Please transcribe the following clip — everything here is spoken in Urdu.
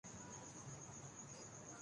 دوبارہ تشکیل شدہ چھٹنی کی ترتیب